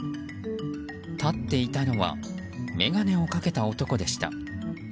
立っていたのは眼鏡をかけた男でした。